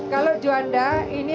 kalau juanda ini